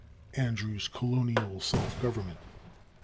(Andrew's "Colonial Self Government," p.